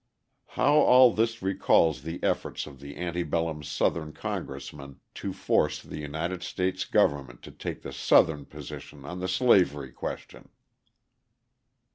How all this recalls the efforts of the ante bellum Southern Congressmen to force the United States Government to take the Southern position on the slavery question!